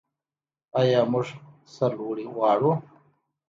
آیا موږ سرلوړي غواړو؟